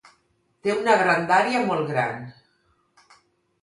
Té una grandària molt gran.